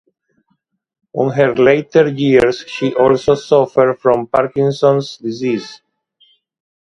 In her later years, she also suffered from Parkinson's disease.